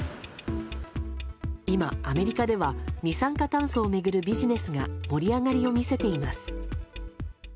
今、アメリカでは二酸化炭素を巡るビジネスが盛り上がりを見せています。